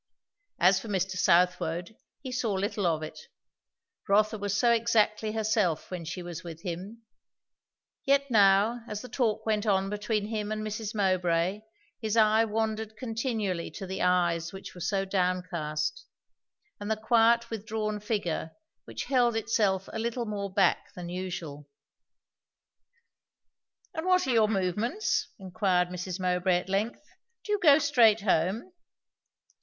As for Mr. Southwode, he saw little of it, Rotha was so exactly herself when she was with him; yet now as the talk went on between him and Mrs. Mowbray his eye wandered continually to the eyes which were so downcast, and the quiet withdrawn figure which held itself a little more back than usual. "And what are your movements?" inquired Mrs. Mowbray at length. "Do you go straight home?"